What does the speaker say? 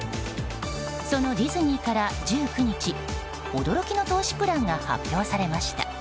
そのディズニーから１９日驚きの投資プランが発表されました。